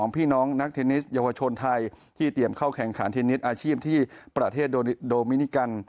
พี่น้องนักเทนนิสเยาวชนไทยที่เตรียมเข้าแข่งขันเทนนิสอาชีพที่ประเทศโดมินิกัน